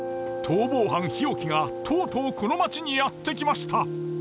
逃亡犯日置がとうとうこの町にやって来ました。